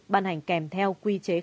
ban hành kèm theo quy chế hai